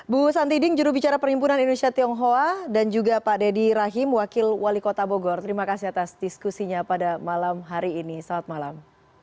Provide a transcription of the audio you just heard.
bu santi ding jurubicara perhimpunan indonesia tionghoa dan juga pak deddy rahim wakil wali kota bogor terima kasih atas diskusinya pada malam hari ini selamat malam